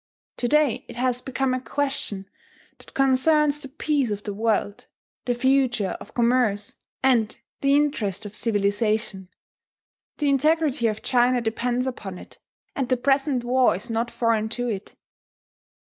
To day it has become a question that concerns the peace of the world, the future of commerce, and the interests of civilization. The integrity of China depends upon it; and the present war is not foreign to it.